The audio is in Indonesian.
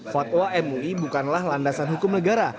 fatwa mui bukanlah landasan hukum negara